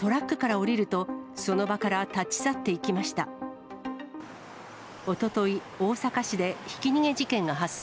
おととい、大阪市でひき逃げ事件が発生。